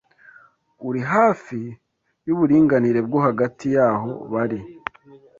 uri hafi yuburinganire bwo hagati yaho bari